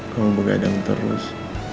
mau bergadang terus